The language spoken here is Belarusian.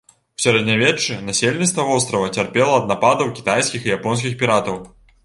У сярэднявеччы насельніцтва вострава цярпела ад нападаў кітайскіх і японскіх піратаў.